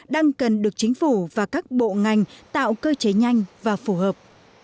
đang cần được chính phủ và các bộ ngành tạo cơ chế nhanh và phù hợp